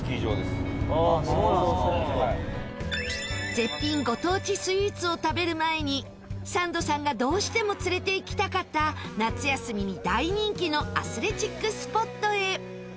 絶品ご当地スイーツを食べる前にサンドさんがどうしても連れていきたかった夏休みに大人気のアスレチックスポットへ。